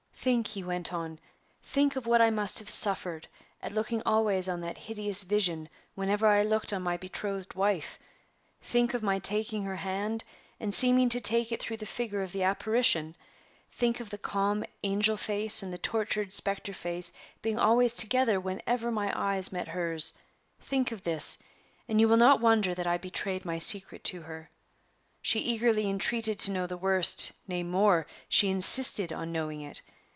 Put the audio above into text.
"Think," he went on, "think of what I must have suffered at looking always on that hideous vision whenever I looked on my betrothed wife! Think of my taking her hand, and seeming to take it through the figure of the apparition! Think of the calm angel face and the tortured specter face being always together whenever my eyes met hers! Think of this, and you will not wonder that I betrayed my secret to her. She eagerly entreated to know the worst nay, more, she insisted on knowing it.